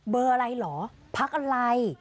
เบอร์อะไรเหรอพักอะไร